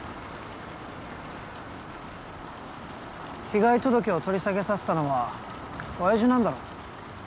被害届を取り下げさせたのは親爺なんだろ？